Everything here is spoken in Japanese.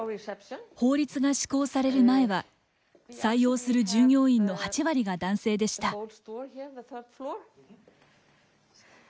法律が施行される前は、採用する従業員の８割が男性でした。